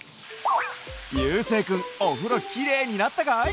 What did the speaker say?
ゆうせいくんおふろきれいになったかい？